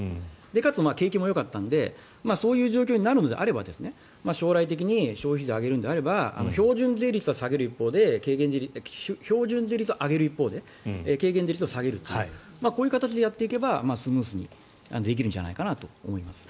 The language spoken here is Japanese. かつ、景気もよかったのでそういう状況になるのであれば将来的に消費税を上げるのであれば標準税率は上げる一方で軽減税率を下げるというこういう形でやっていけばスムーズにできるんじゃないかなと思います。